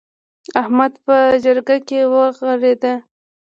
احمد په جرګه کې وغورېد.